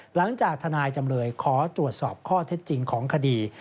ทนายจำเลยขอตรวจสอบข้อเท็จจริงของคดี